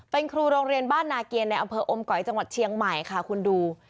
เป็นครูโรงเรียนบ้านนาเกียรในอำเภออมก๋อยจังหวัดเชียงใหม่ค่ะคุณดู